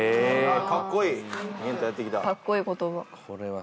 かっこいい言葉。